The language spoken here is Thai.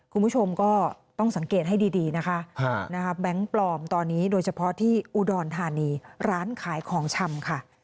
คุณผู้ชมก็ต้องสังเกตให้ดีนะคะแบงค์ปลอมตอนนี้โดยเฉพาะที่อุดรธานีร้านขายของชำค่ะ